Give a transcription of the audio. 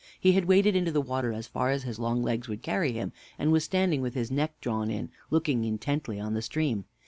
He had waded into the water as far as his long legs would carry him, and was standing with his neck drawn in, looking intently on the stream.